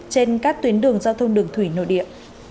trên các tuyến đường giao thông đường thủy nội địa